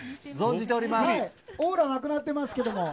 オーラなくなってますけども。